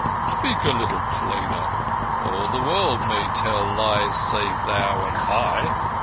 "Speak a little plainer. All the world may tell lies save thou and I.